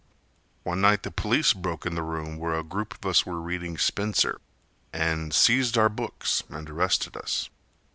One night the police broke in the room Where a group of us were reading Spencer. And seized our books and arrested us.